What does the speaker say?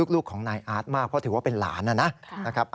ลูกของนายอาร์ตมากเพราะถือว่าเป็นหลานนะครับ